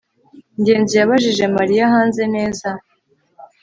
ngenzi yabajije mariya hanze. neza